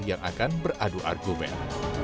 yang akan beradu argumen